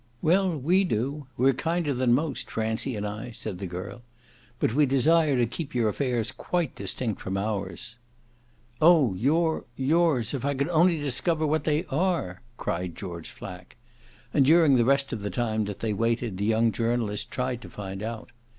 "Well, we do: we're kinder than most, Francie and I," said the girl. "But we desire to keep your affairs quite distinct from ours." "Oh your yours: if I could only discover what they are!" cried George Flack. And during the rest of the time that they waited the young journalist tried to find out.